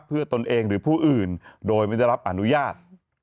เพื่อตนเองหรือผู้อื่นโดยไม่ได้รับอนุญาต